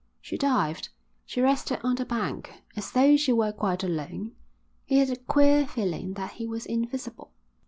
She dived, she rested on the bank, as though she were quite alone: he had a queer feeling that he was invisible.